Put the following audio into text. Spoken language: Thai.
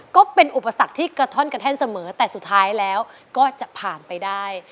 ก็เป็นอุปสรรคที่กระท่อนกระแท่นเสมอแต่สุดท้ายแล้วก็จะผ่านไปได้